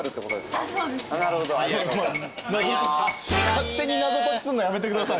勝手に謎解きすんのやめてください。